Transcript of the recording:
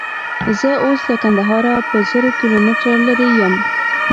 زه اوس له کندهاره په زرو کیلومتره لیرې یم.